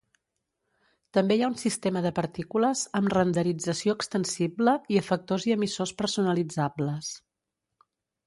També hi ha un sistema de partícules amb renderització extensible i efectors i emissors personalitzables.